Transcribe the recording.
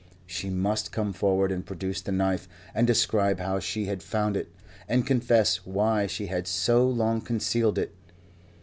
She must come forward and produce the knife and describe how she had found it, and confess why she had so long concealed it.